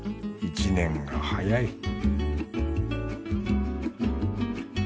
１年が早い